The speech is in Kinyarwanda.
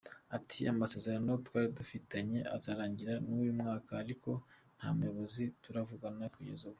Ati “Amasezerano twari dufitanye azarangirana n’uyu mwaka ariko nta muyobozi turavugana kugeza ubu.